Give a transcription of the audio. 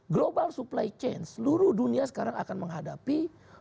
global supply chain seluruh dunia sekarang akan menghadapi